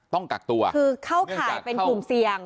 ต้องกักตัวคือเข้าข่ายเป็นกลุ่มเสี่ยง